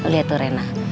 lo liat tuh rena